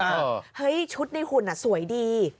เออเฮ้ยชุดในหุ่นอ่ะสวยดี